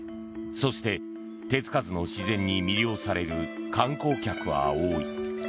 そして手つかずの自然に魅了される観光客は多い。